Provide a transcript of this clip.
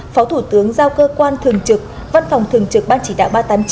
phó thủ tướng giao cơ quan thường trực văn phòng thường trực ban chỉ đạo ba trăm tám mươi chín